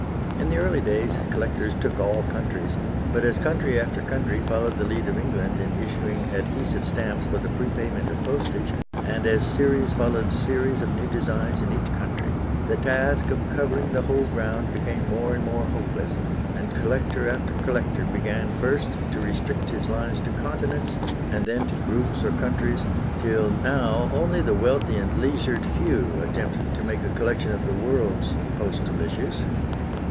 In the early days collectors took all countries, but as country after country followed the lead of England in issuing adhesive stamps for the prepayment of postage, and as series followed series of new designs in each country, the task of covering the whole ground became more and more hopeless, and collector after collector began first to restrict his lines to continents, and then to groups or countries, till now only the wealthy and leisured few attempt to make a collection of the world's postal issues.